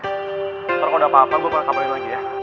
ntar kalau udah apa apa gue pak kabarin lagi ya